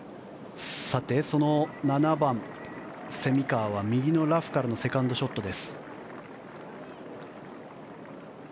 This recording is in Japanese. さて、その７番蝉川は右のラフからのセカンドショットです。